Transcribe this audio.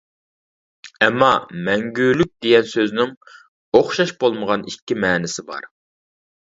ئەمما، «مەڭگۈلۈك» دېگەن سۆزنىڭ ئوخشاش بولمىغان ئىككى مەنىسى بار.